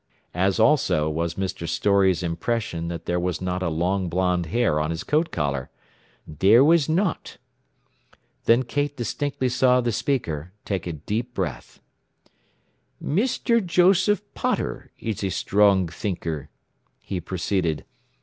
As also was Mr. Storey's impression that there was not a long blond hair on his coat collar. "There was not." Then Kate distinctly saw the speaker take a deep breath. "Mr. Joseph Potter is a strong thinker," he proceeded.